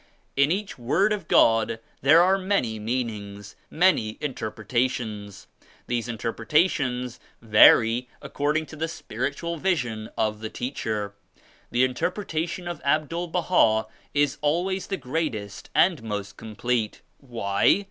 "In each Word of God there are many mean jings, many interpretations. These interpreta ; tions vary according to the spiritual vision of the teacher. The interpretation of Abdul Baha is always the greatest and most complete. Why?